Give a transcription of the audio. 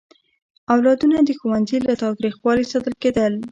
اولادونه د ښوونځي له تاوتریخوالي ساتل کېدل.